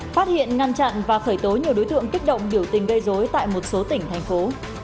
phát hiện ngăn chặn và khởi tố nhiều đối tượng kích động biểu tình gây dối tại một số tỉnh thành phố